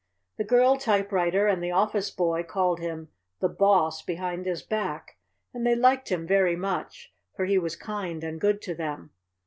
The girl typewriter and the office boy called him "the Boss" behind his back, and they liked him very much, for he was kind and good to them.